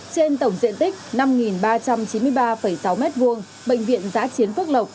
trên tổng diện tích năm ba trăm chín mươi ba sáu m hai bệnh viện giã chiến phước lộc